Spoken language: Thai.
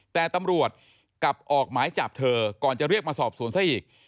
แต่ตำรวจกลับออกหมายจับเธอก่อนจะเรียกมาสอบสวนซะอีก